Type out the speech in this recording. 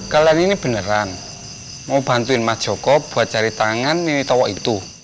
kalian ini beneran mau bantuin mas joko buat cari tangan ini toko itu